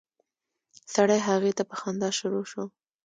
سړی هغې ته په خندا شروع شو.